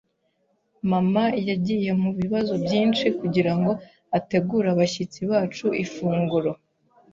Mama yagiye mubibazo byinshi kugirango ategure abashyitsi bacu ifunguro.